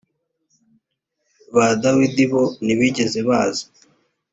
ba dawidi bo ntibigeze baza